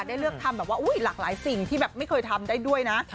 ได้เลือกทำแบบว่าหลากหลายสิ่งที่แบบไม่เคยทำได้ด้วยนะ